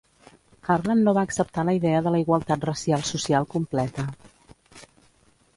Harlan no va acceptar la idea de la igualtat racial social completa.